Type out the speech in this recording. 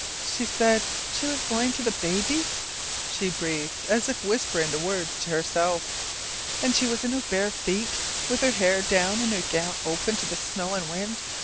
"She said she was going to the baby!" she breathed, as if whispering the words to herself. "And she was in her bare feet, with her hair down, and her gown open to the snow and wind!